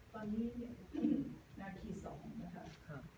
ตอนนี้นาที๒นะคะ